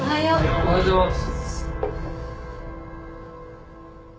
おはようございます。